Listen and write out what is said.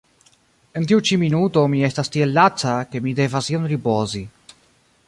En tiu ĉi minuto mi estas tiel laca, ke mi devas iom ripozi.